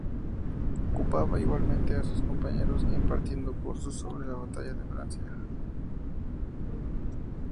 Ocupaba igualmente a sus compañeros impartiendo cursos sobre la batalla de Francia.